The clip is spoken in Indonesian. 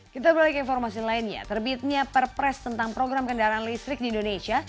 kita beralih ke informasi lainnya terbitnya perpres tentang program kendaraan listrik di indonesia